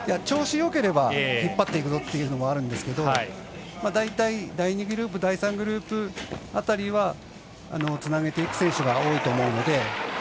調子よければ引っ張っていくぞというのはあるんですけど大体、第２グループ第３グループ辺りはつなげていく選手が多いと思うので。